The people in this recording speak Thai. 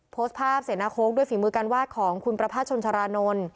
โพสต์ภาพเสนาโค้กด้วยฝีมือการวาดของคุณประภาษชนชารานนท์